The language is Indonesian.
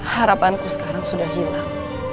harapanku sekarang sudah hilang